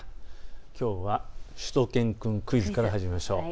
きょうはしゅと犬くんクイズから始めましょう。